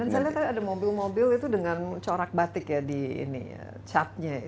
dan saya lihat tadi ada mobil mobil itu dengan corak batik ya di catnya